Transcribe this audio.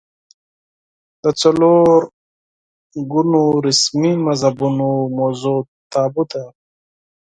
د څلور ګونو رسمي مذهبونو موضوع تابو ده